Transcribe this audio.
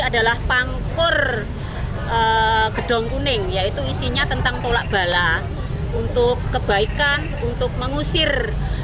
adalah pangkur gedong kuning yaitu isinya tentang tolak bala untuk kebaikan untuk mengusir